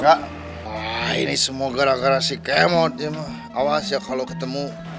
nah ini semua gara gara si kemot awas ya kalau ketemu